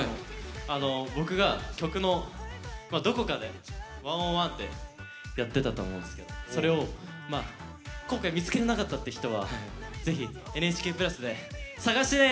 僕が曲のどこかで「１０１」ってやってたと思うんですけどそれを今回見つけれなかったって人はぜひ「ＮＨＫプラス」で探してね！